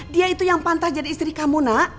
dia itu yang pantas jadi istri kamu nak